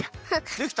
できた？